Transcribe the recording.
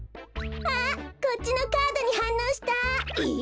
こっちのカードにはんのうした。え？